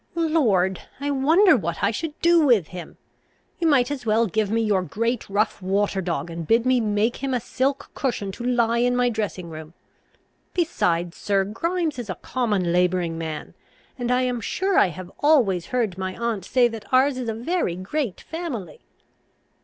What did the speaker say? "Lord, I wonder what I should do with him. You might as well give me your great rough water dog, and bid me make him a silk cushion to lie in my dressing room. Besides, sir, Grimes is a common labouring man, and I am sure I have always heard my aunt say that ours is a very great family."